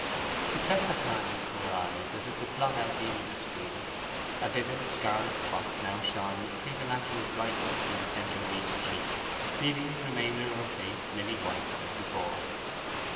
She pressed a hand to her eyes, as if to blot out the image of Stephen. A vivid scarlet spot now shone with preternatural brightness in the centre of each cheek, leaving the remainder of her face lily white as before.